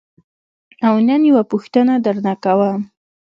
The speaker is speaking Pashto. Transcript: او نن یوه پوښتنه درنه کوم.